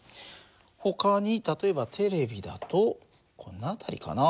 ほかに例えばテレビだとこの辺りかな。